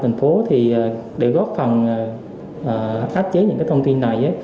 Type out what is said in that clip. thành phố thì để góp phần áp chế những thông tin này